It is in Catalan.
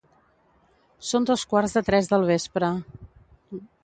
Són dos quarts de tres del vespre